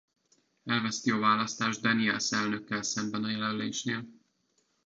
Elveszti a választást Daniels elnökkel szemben a jelölésnél.